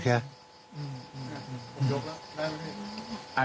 มันไม่ชินแค่